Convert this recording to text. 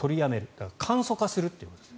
だから簡素化するというんです。